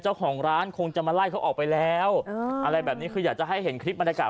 เจ้าของร้านคงจะมาไล่เขาออกไปแล้วอะไรแบบนี้คืออยากจะให้เห็นคลิปบรรยากาศ